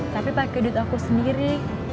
tapi pakai duit aku sendiri